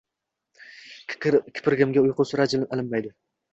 Kiprigimga uyqu sira ilinmaydi.